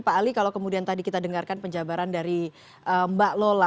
pak ali kalau kemudian tadi kita dengarkan penjabaran dari mbak lola